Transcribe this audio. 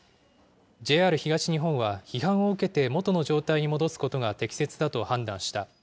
ＪＲ東日本は批判を受けて元の状態に戻すことが適切だと判断した。